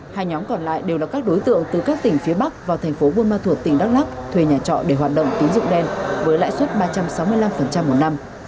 hai nhóm còn lại đều là các đối tượng từ các tỉnh phía bắc vào thành phố buôn ma thuột tỉnh đắk lắc thuê nhà trọ để hoạt động tín dụng đen với lãi suất ba trăm sáu mươi năm một năm